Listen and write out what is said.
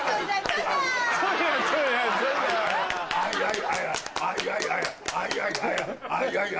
はいはい。